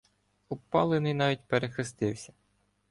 Обпалений навіть перехрестився.